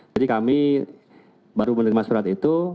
kami baru menerima surat itu